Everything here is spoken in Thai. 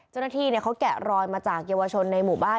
จุธิเนี่ยเขาแกะรอยมาจากเยาวชนในหมู่บ้าน